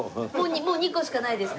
もう２個しかないですか？